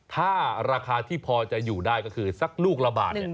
ถ้าราคาที่พอจะอยู่ได้ก็คือสักลูกละบาท